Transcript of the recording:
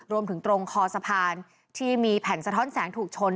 รวมถึงตรงคอสะพานที่มีแผ่นสะท้อนแสงถูกชน